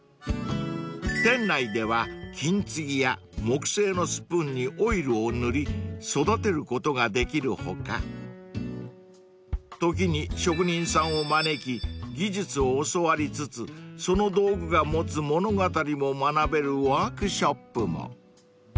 ［店内では金継ぎや木製のスプーンにオイルを塗り育てることができる他時に職人さんを招き技術を教わりつつその道具が持つ物語も学べるワークショップも］